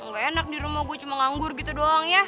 gak enak di rumah gue cuma nganggur gitu doang ya